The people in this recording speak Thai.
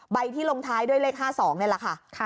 ที่ลงท้ายด้วยเลข๕๒นี่แหละค่ะ